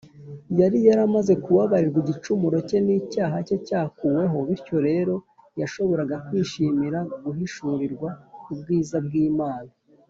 Yari yamaze kubabarirwa igicumuro cye, n’icyaha cye cyakuweho; bityo rero, yashoboraga kwishimira guhishurirwa ubwiza bw’Imana